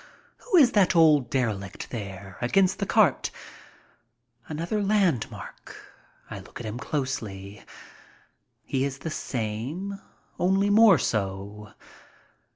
Who is that old derelict there against the cart? Another landmark. I look at him closely. He is the same — only more so.